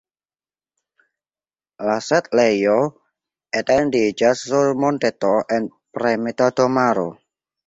La setlejo etendiĝas sur monteto en premita domaro.